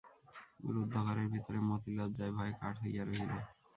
রুদ্ধ ঘরের ভিতরে মতি লজ্জায় ভয়ে কাঠ হইয়া রহিল।